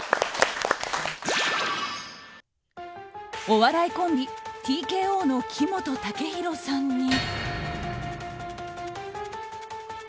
お笑いコンビＴＫＯの木本武宏さんに。